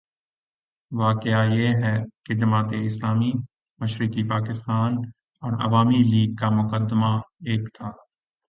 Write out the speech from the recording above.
واقعہ یہ ہے کہ جماعت اسلامی مشرقی پاکستان اور عوامی لیگ کا مقدمہ ایک تھا۔